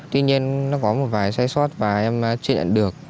tuy nhiên nó có một vài sai sót và em chưa nhận được